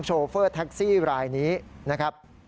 โฟเฟอร์แท็กซี่รายนี้นะครับ